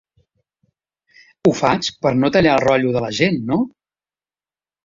Ho faig per no tallar el rotllo de la gent, no?